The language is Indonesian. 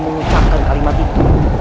mengucapkan kalimat itu